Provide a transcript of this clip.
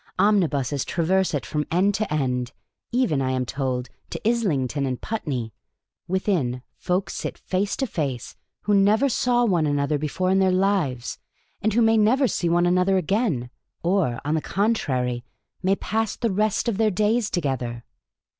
Omnibuses traverse it from erd to end, even, I am told, to Islington and Putney ; within, tolk sit face to face who never saw one another before in their lives, and who may never see one another again, or, on the con trary, may pass the rest of their days together."